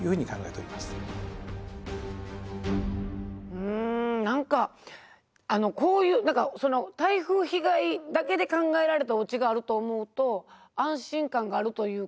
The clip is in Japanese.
うん何かこういう台風被害だけで考えられたおうちがあると思うと安心感があるというか。